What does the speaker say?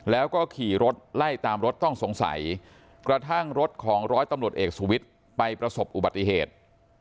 แล้วก็ขี่รถไล่ตามรถต้องสงสัยกระทั่งรถของร้อยตำรวจเอกสุวิทย์ไปประสบอุบัติเหตุ